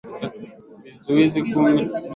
vizuizi kumi na tano viliwapa udanganyifu wa kutozama